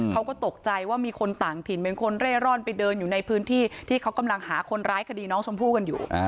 เขาก็ตกใจว่ามีคนต่างถิ่นเป็นคนเร่ร่อนไปเดินอยู่ในพื้นที่ที่เขากำลังหาคนร้ายคดีน้องชมพู่กันอยู่